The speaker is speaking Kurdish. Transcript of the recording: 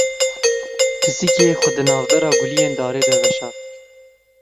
Pisîkê, xwe di navbera guliyên darê de veşart.